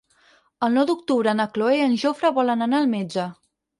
El nou d'octubre na Cloè i en Jofre volen anar al metge.